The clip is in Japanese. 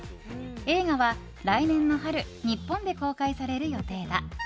映画は来年の春日本で公開される予定だ。